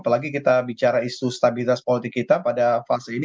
apalagi kita bicara isu stabilitas politik kita pada fase ini